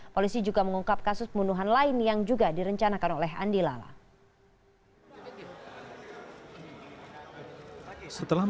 polisi juga mengungkap kasus pembunuhan lain yang juga direncanakan oleh andi lala